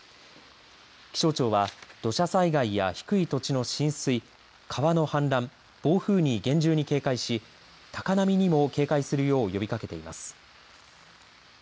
気象庁は土砂災害や低い土地の浸水川の氾濫、暴風に厳重に警戒し高波にも警戒するよう呼びかけています。